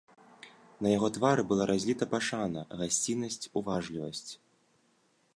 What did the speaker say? На яго твары была разліта пашана, гасціннасць, уважлівасць.